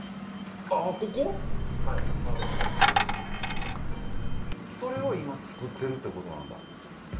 はい窓のそれを今作ってるってことなんだ